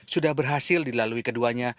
sudah berhasil dilalui keduanya